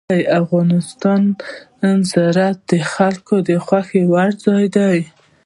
افغانستان کې زراعت د خلکو د خوښې وړ ځای دی.